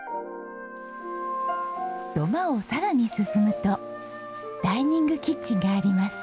土間をさらに進むとダイニングキッチンがあります。